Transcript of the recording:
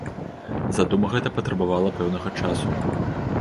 Задума гэта патрабавала пэўнага часу.